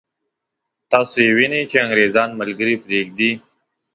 تاسو یې وینئ چې انګرېزان ملګري پرېږدي.